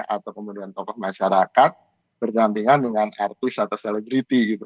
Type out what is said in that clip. atau kemudian tokoh masyarakat berdampingan dengan artis atau selebriti gitu